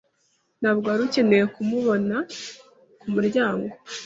Ntabwo wari ukeneye kumubona kumuryango.